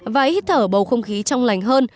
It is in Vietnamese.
và hít thở bầu không khí trong lành hơn